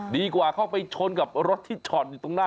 ดีกว่าเข้าไปชนกับรถที่ชนอยู่ตรงหน้า